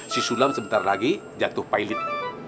si sulam sebentar lagi jatuh pilot